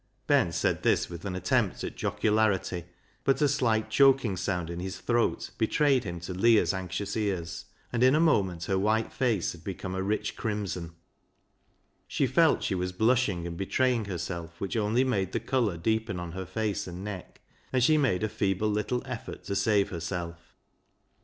" Ben said this with an attempt at jocularity, but a slight choking sound in his throat betrayed him to Leah's anxious ears, and in a moment her white face had become a rich crimson. She felt she was blushing, and betray ing herself, which only made the colour deepen on her face and neck, and she made a feeble little effort to save herself.